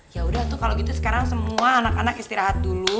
ya udah tuh kalau gitu sekarang semua anak anak istirahat dulu